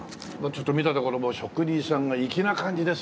ちょっと見たところもう職人さんが粋な感じですもんね。